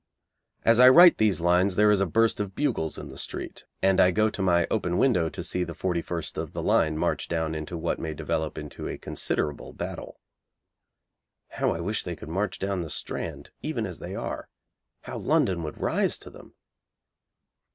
As I write these lines there is a burst of bugles in the street, and I go to my open window to see the 41st of the line march down into what may develop into a considerable battle. How I wish they could march down the Strand even as they are. How London would rise to them!